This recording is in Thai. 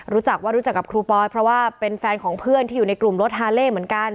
รู้จักว่ารู้จักกับครูปอยเพราะว่าเป็นแฟนของเพื่อนที่อยู่ในกลุ่มรถฮาเล่เหมือนกัน